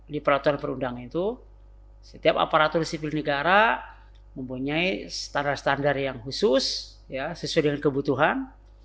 di peraturan perundangan itu setiap aparatur sipil negara mempunyai standar standar yang khusus sesuai dengan kebutuhan